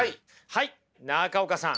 はい中岡さん。